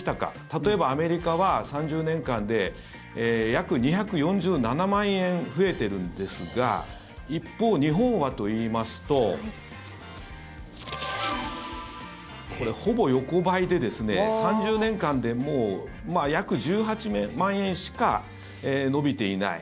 例えば、アメリカは３０年間で約２４７万円増えてるんですが一方、日本はといいますとこれ、ほぼ横ばいで３０年間で約１８万円しか伸びていない。